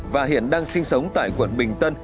và hiện đang sinh sống tại quận bình tân